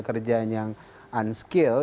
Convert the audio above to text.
kerja yang unskilled